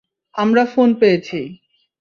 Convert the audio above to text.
আমরা ফোন পেয়েছি।